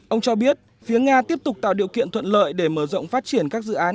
ông cho biết phía nga tiếp tục tạo điều kiện thuận lợi để mở rộng phát triển các dự án